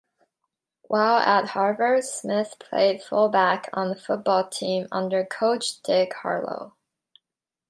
While at Harvard, Smith played fullback on the football team under coach Dick Harlow.